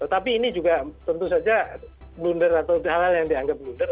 tapi ini juga tentu saja blunder atau hal hal yang dianggap blunder